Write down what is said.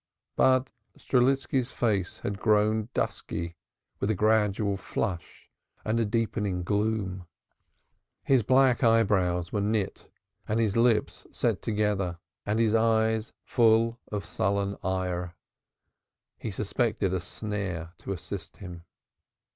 But Strelitski's face had grown dusky with a gradual flush and a deepening gloom; his black eyebrows were knit and his lips set together and his eyes full of sullen ire. He suspected a snare to assist him.